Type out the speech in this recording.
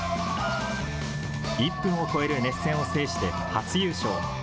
１分を超える熱戦を制して初優勝。